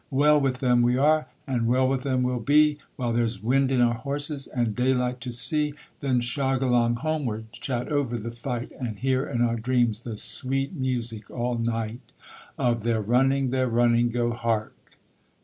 Well with them we are, and well with them we'll be, While there's wind in our horses and daylight to see: Then shog along homeward, chat over the fight, And hear in our dreams the sweet music all night Of They're running they're running, Go hark!